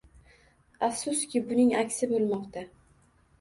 Afsuski, buning aksi bo'lmoqda